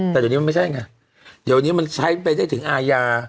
แต่ตอนนี้มันไม่ใช่ไงตอนนี้มันใช้ไปได้ถึงอายา